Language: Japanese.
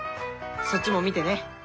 そっちも見てね。